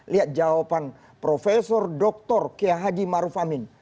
lihat jawaban profesor doktor kihaji maruf amin